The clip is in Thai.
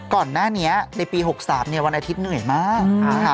ก่อนหน้านี้ในปี๖๓วันอาทิตย์เหนื่อยมาก